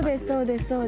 そうです